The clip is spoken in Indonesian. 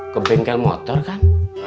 ke bengkel motor kan